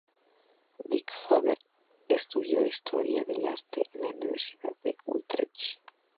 Dik-Faber estudió Historia del Arte en la Universidad de Utrecht.